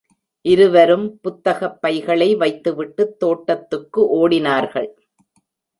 இருவரும் புத்தகப் பைகளை வைத்துவிட்டுத் தோட்டத்துக்கு ஓடினார்கள்.